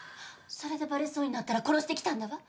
それでバレそうになったら殺してきたんだわ！